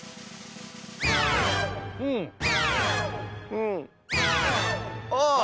うん。ああ。